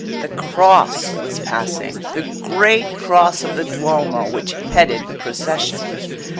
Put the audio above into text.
The Cross was passing—the Great Cross of the Duomo—which headed the procession.